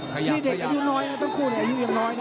ขยับขยับนี่เด็กอายุน้อยนะต้องคุยอายุยังน้อยนะ